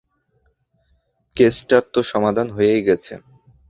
কেসটার তো সমাধান হয়েই গেছে।